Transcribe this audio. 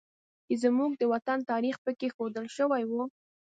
چې زموږ د وطن تاریخ پکې ښودل شوی و